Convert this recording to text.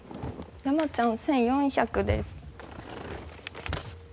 山ちゃん１４００です。